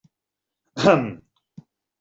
Ehem!